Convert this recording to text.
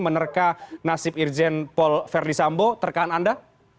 menerka nasib irjen paul ferdisambo terkaan anda